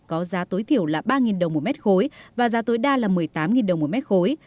có giá tối thiểu là ba đồng một mét khối và giá tối đa là một mươi tám đồng một mét khối